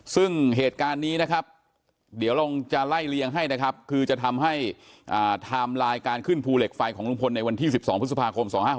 ซึ่งเหตุการณ์นี้นะครับเดี๋ยวลองจะไล่เลี้ยงให้นะครับคือจะทำให้ไทม์ไลน์การขึ้นภูเหล็กไฟของลุงพลในวันที่๑๒พฤษภาคม๒๕๖๖